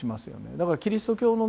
だからキリスト教のね